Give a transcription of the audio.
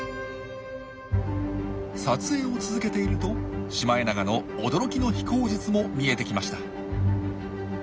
撮影を続けているとシマエナガの驚きの飛行術も見えてきました。